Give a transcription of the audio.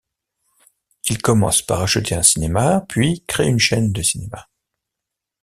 Il commence par acheter un cinéma, puis crée une chaîne de cinémas.